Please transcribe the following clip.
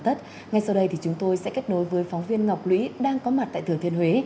thì năm nay chúng ta tổ chức tại thủy thiên huế